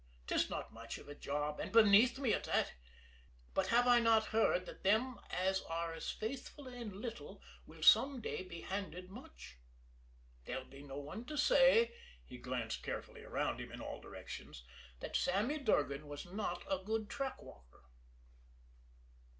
'Tis not much of a job, and beneath me at that, but have I not heard that them as are faithful in little will some day be handed much? There'll be no one to say" he glanced carefully around him in all directions "that Sammy Durgan was not a good track walker."